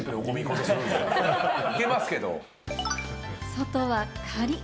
外はカリっ！